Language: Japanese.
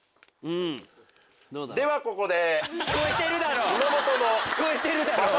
ではここで。